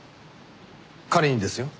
仮にですよ